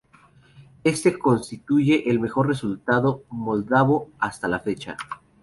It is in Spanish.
Este constituye el mejor resultado moldavo hasta la fecha.